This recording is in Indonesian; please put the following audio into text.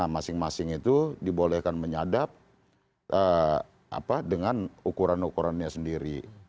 masing masing itu dibolehkan menyadap dengan ukuran ukurannya sendiri